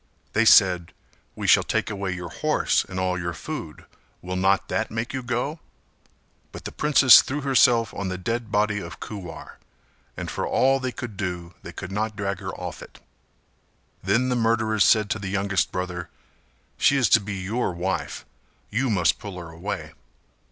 They said "We shall take away your horse and all your food, will not that make you go?" But the princess threw herself on the dead body of Kuwar and for all they could do they could not drag her off it. Then the murderers said to the youngest brother "She is to be your wife: you must pull her away."